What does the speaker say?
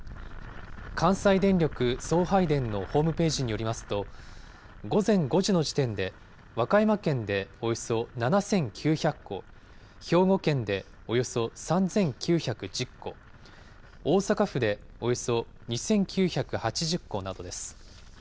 関西電力送配電のホームページによりますと、午前５時の時点で、和歌山県でおよそ７９００戸、兵庫県でおよそ３９１０戸、大阪府でおよそ２９８０戸などです。